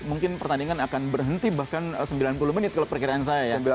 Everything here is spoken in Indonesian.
mungkin pertandingan akan berhenti bahkan sembilan puluh menit kalau perkiraan saya ya